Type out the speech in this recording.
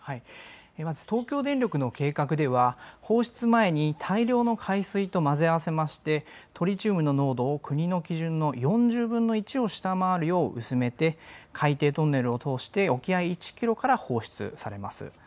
まず東京電力の計画では放出前に大量の海水と混ぜ合わせてトリチウムの濃度を国の基準の４０分の１を下回るよう薄め海底トンネルを通して沖合１キロから放出されます。